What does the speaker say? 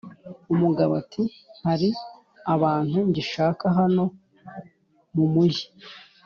umugabo Ati:"Hari abantu ngishaka hano mu mujyi!